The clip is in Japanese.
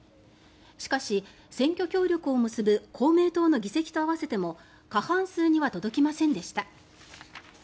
しかし、選挙協力を結ぶ公明党の議席と合わせても過半数には届きませんでした。